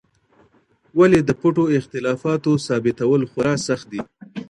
ولي د پټو اختلافاتو ثابتول خورا سخت دي؟